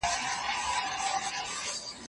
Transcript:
كوم شېرشاه توره ايستلې ځي سسرام ته